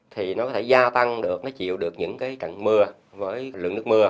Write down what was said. thì nó có thể gia tăng được nó chịu được những cái cần mưa với lượng nước mưa